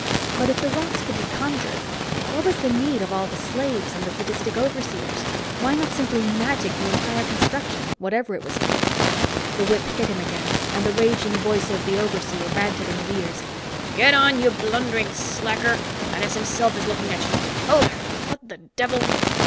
But if the rocks could be conjured, what was the need of all the slaves and the sadistic overseers? Why not simply magic the entire construction, whatever it was to be? The whip hit him again, and the raging voice of the overseer ranted in his ears. "Get on, you blundering slacker. Menes himself is looking at you. Ho there what the devil?"